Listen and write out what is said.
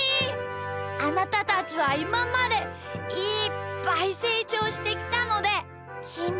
あなたたちはいままでいっぱいせいちょうしてきたのできん